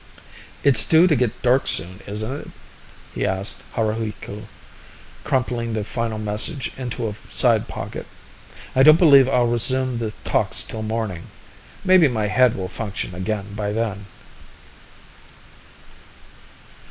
"It's due to get dark soon, isn't it?" he asked Haruhiku, crumpling the final message into a side pocket. "I don't believe I'll resume the talks till morning. Maybe my head will function again by then."